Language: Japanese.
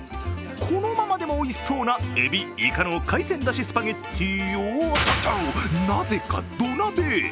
このままでもおいしそうな、えび、いかの海鮮出汁スパゲッティをなぜか土鍋へ。